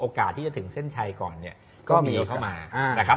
ที่จะถึงเส้นชัยก่อนเนี่ยก็มีเข้ามานะครับ